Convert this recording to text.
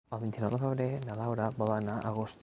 El vint-i-nou de febrer na Laura vol anar a Agost.